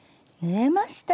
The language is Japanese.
縫えました。